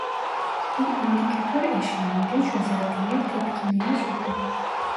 Bir indikatör eşliğinde çözeltiler tepkimeye sokulur.